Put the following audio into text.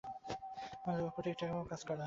আমার লক্ষ্য হলো ঠিকঠাকভাবে কাজটা করা।